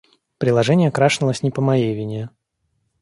Приложение крашнулось не по моей вине.